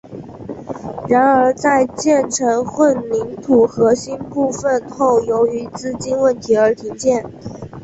然而在建成混凝土核心部分后由于资金问题而停建。